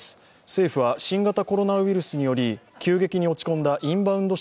政府は新型コロナウイルスにより急激に落ち込んだインバウンド